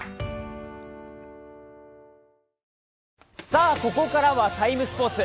さあ、ここからは「ＴＩＭＥ，スポーツ」。